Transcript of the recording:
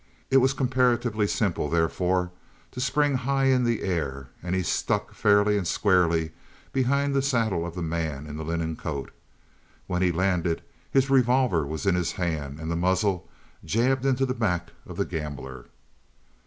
It was comparatively simple, therefore, to spring high in the air, and he struck fairly and squarely behind the saddle of the man in the linen coat. When he landed his revolver was in his hand and the muzzle jabbed into the back of the gambler.